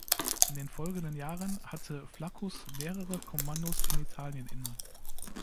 In den folgenden Jahren hatte Flaccus mehrere Kommandos in Italien inne.